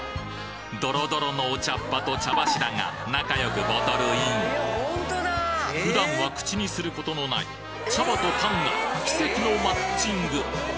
ドロドロのお茶っ葉と茶柱が仲良くボトルイン普段は口にすることのない茶葉とパンが奇跡のマッチング